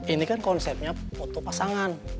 ini kan konsepnya foto pasangan